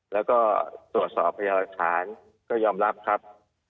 แล้วก็ตรวจสอบพยาหลักฐานก็ยอมรับครับ